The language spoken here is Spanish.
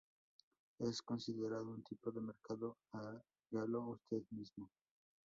Es considerado un tipo de mercado hágalo usted mismo.